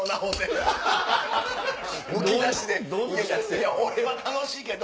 いや俺は楽しいけど。